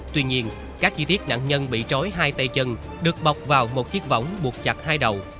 tuy nhiên các chi tiết nạn nhân bị trói hai tay chân được bọc vào một chiếc vỏng buộc chặt hai đầu